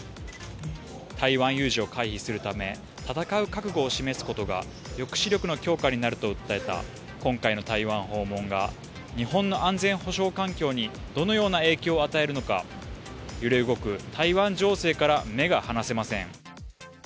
台湾有事を回避するため、戦う覚悟を示すことが抑止力の強化になると訴えた今回の台湾訪問が日本の安全保障環境にどのような影響を与えるのか、揺れ動く台湾情勢から目が離せません。